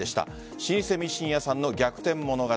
老舗ミシン屋さんの逆転物語。